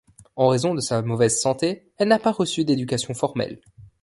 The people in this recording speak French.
En raison de sa mauvaise santé, elle n'a pas reçu d'éducation formelle.